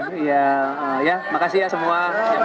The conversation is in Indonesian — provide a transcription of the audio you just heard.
terima kasih ya semua